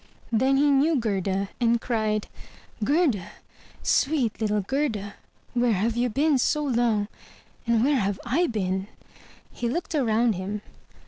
Then he knew Gerda, and cried, "Gerda, sweet little Gerda! where have you been so long? And where have I been?'* He looked around him.